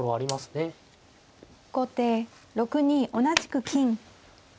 後手６二同じく金。